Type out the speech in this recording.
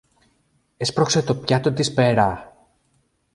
Έσπρωξε το πιάτο της πέρα